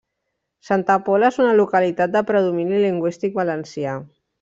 Santa Pola és una localitat de predomini lingüístic valencià.